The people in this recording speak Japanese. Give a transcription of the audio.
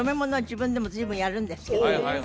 自分でも随分やるんですけどえ